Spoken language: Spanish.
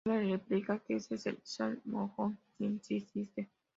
Chef les replica que ese es el Sr. Mojón, quien sí existe.